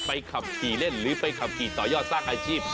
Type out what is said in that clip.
ขับขี่เล่นหรือไปขับขี่ต่อยอดสร้างอาชีพ